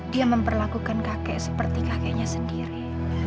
dia memperlakukan kakek seperti kakeknya sendiri